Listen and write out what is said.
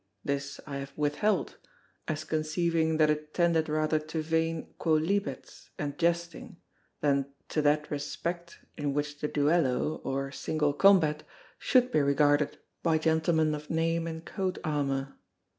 This I have withheld, as conceiving that it tended rather to vain quolibets and jesting, than to that respect in which the duello, or single combat, should be regarded by gentlemen of name and coat armour.